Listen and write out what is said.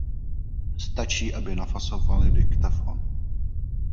Stačí, aby nafasovali diktafon.